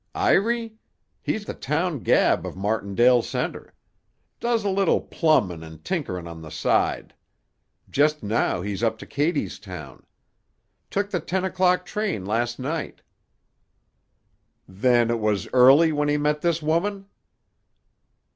"Iry? He's the town gab of Martindale Center. Does a little plumbin' an' tinkerin' on the side. Just now he's up to Cadystown. Took the ten o'clock train last night." "Then it was early when he met this woman?"